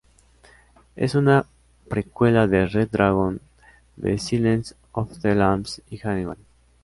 Es una precuela de "Red Dragon", "The Silence of the Lambs" y "Hannibal".